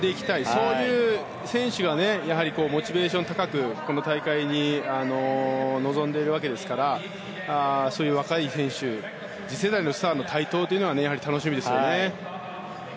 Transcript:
そういう選手はモチベーション高くこの大会に臨んでいるわけですからそういう若い選手次世代のスターの台頭がやはり楽しみですよね。